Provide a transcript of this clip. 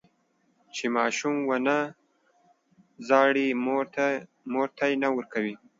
چې ماشوم ونه زړي، مور تی نه ورکوي.